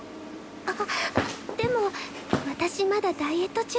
あっでも私まだダイエット中だから。